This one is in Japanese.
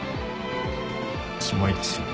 キモいですよね。